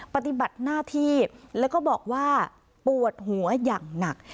ปฏิบัติหน้าที่แล้วก็บอกว่าปวดหัวอย่างหนัก